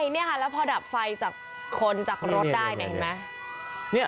แล้วพอดับไฟจากคนจากรถได้